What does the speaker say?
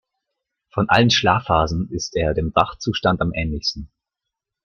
Von allen Schlafphasen ist er dem Wachzustand am ähnlichsten.